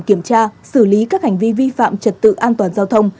kiểm tra xử lý các hành vi vi phạm trật tự an toàn giao thông